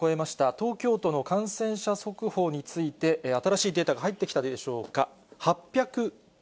東京都の感染者速報について、新しいデータが入ってきたでしょうか。